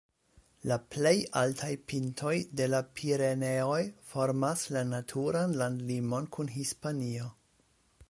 La plej altaj pintoj de la Pireneoj formas la naturan landlimon kun Hispanio.